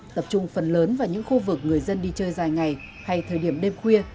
tập trung phần lớn vào những khu vực người dân đi chơi dài ngày hay thời điểm đêm khuya